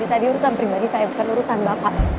tadi urusan pribadi saya bukan urusan bapak